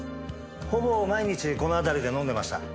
ほぼ毎日この辺りで飲んでました。